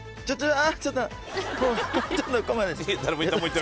あ！